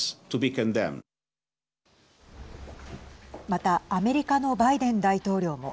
またアメリカのバイデン大統領も。